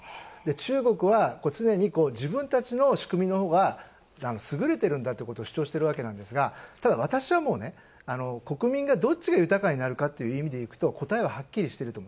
中国は常に自分たちの仕組みのほうが優れてるんだということを主張してるわけなんですが、私は国民が、どっちが豊かになるかっていうのは答えははっきりしてると思う。